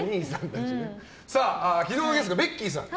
昨日のゲストがベッキーさん。